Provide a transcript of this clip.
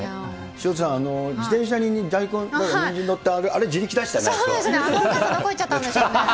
潮田さん、自転車に大根、にんじん乗って、そうでしたね、あのお母さんどこ行っちゃったんでしょうね。